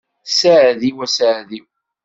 Saɛd-iw a saɛd-iw.